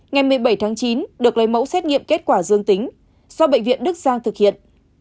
ngày một mươi bảy tháng chín được lấy mẫu xét nghiệm kết quả dương tính do bệnh viện đức giang thực hiện